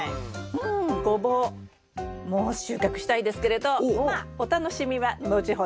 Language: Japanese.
うんゴボウもう収穫したいですけれどまあお楽しみは後ほど。